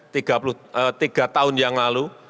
tiga tahun yang lalu